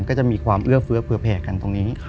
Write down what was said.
ก็จะมีความเอื้อเฟื้อเผื่อแผ่กันตรงนี้